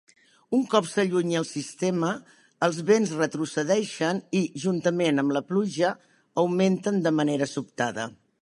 Un cop s'allunya el sistema, els vents retrocedeixen i, juntament amb la pluja, augmenten de manera sobtada.